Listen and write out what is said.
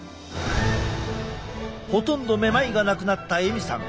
ほとんどめまいがなくなったエミさん。